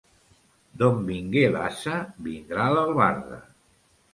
D'on vingué l'ase, vindrà l'albarda.